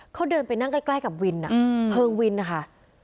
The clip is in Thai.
เขาเดินไปนั่งใกล้กับวินเพลิงวินนะคะ